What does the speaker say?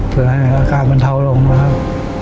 เพื่อให้อาการบรรเทาลงนะครับ